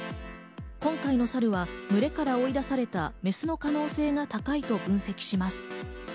今回のサルは群れから追い出されたメスの可能性が高いと分析します。